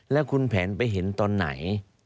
แล้วคุณแผนไปเห็นตอนไหน